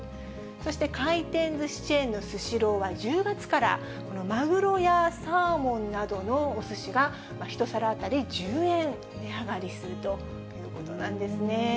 そして回転ずしチェーンのスシローは、１０月から、このまぐろやサーモンなどのおすしが１皿当たり１０円値上がりするということなんですね。